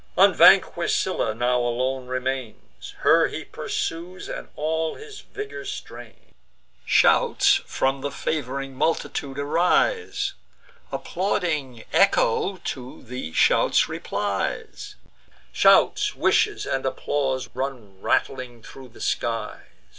Unvanquish'd Scylla now alone remains; Her he pursues, and all his vigour strains. Shouts from the fav'ring multitude arise; Applauding Echo to the shouts replies; Shouts, wishes, and applause run rattling thro' the skies.